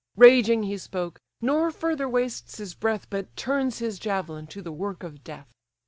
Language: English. Raging he spoke; nor further wastes his breath, But turns his javelin to the work of death.